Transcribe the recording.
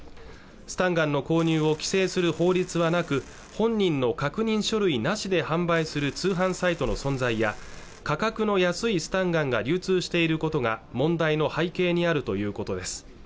スタンガンの購入を規制する法律はなく本人の確認書類なしで販売する通販サイトの存在や価格の安いスタンガンが流通していることが問題の背景にあるということです